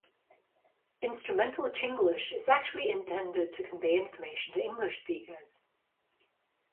Instrumental Chinglish is actually intended to convey information to English speakers.